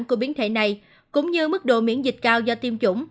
của biến thể này cũng như mức độ miễn dịch cao do tiêm chủng